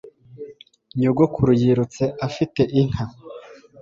Nyogokuru yirutse afite inka.